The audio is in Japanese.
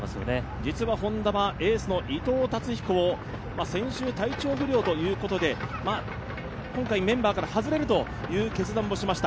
実はＨｏｎｄａはエースの伊藤達彦を先週、体調不良ということで今回メンバーから外れるという決断もしました。